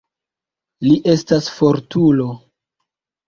Li estas fortulo.